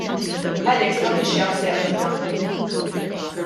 Alex ma kienx jaf x'ser jaqbad jagħmel.